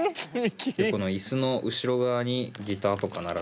この椅子の後ろ側にギターとか並べてます。